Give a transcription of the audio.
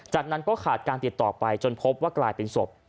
จากนั้นก็ขาดการติดต่อไปจนพบว่ากลายเป็นศพ